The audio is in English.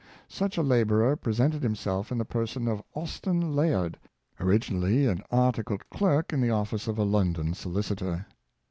Such a laborer presented himself in the person of Aus ten Layard, originally an articled clerk in the office of a London solicitor.